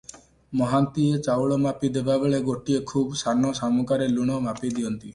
ମହାନ୍ତିଏ ଚାଉଳ ମାପି ଦେବାବେଳେ ଗୋଟିଏ ଖୁବ ସାନ ଶାମୁକାରେ ଲୁଣ ମାପି ଦିଅନ୍ତି ।